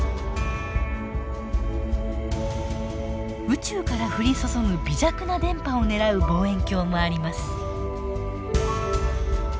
宇宙から降り注ぐ微弱な電波を狙う望遠鏡もあります。